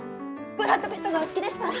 ブラッド・ピットがお好きでしたら。